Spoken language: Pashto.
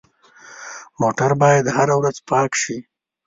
موټر باید هره ورځ پاک شي.